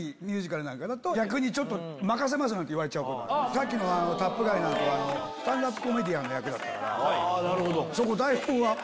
⁉さっきの『タップガイ』なんかはスタンダップコメディアンの役だったから。